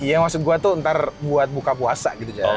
iya maksud gue tuh ntar buat buka puasa gitu